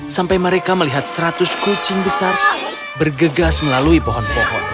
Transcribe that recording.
sampai mereka melihat seratus kucing besar bergegas melalui pohon pohon